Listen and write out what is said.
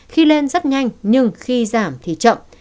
khi lên rất nhanh nhưng khi giảm thì chậm